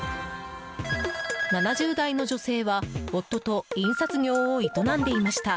７０代の女性は夫と印刷業を営んでいました。